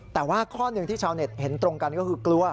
แต่ว่าข้อหนึ่งที่ชาวเน็ตเห็นตรงกันก็คือกลัว